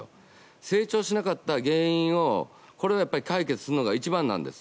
成長しなかった原因を解決するのが一番なんです。